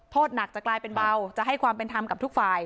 หนักจะกลายเป็นเบาจะให้ความเป็นธรรมกับทุกฝ่าย